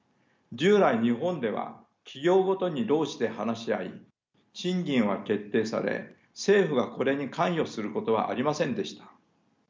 従来日本では企業ごとに労使で話し合い賃金は決定され政府がこれに関与することはありませんでした。